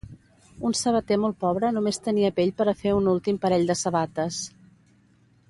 Un sabater molt pobre només tenia pell per a fer un últim parell de sabates.